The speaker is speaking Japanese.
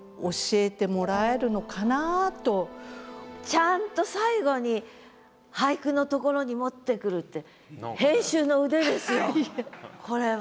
ちゃんと最後に俳句のところに持ってくるってこれは。